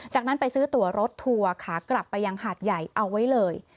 จากนั้นไปซื้อตัวรถทัวร์ขากลับไปยังหาดใหญ่เอาไว้เลย